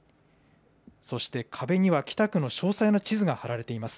そして、壁には北区の詳細な地図が貼られています。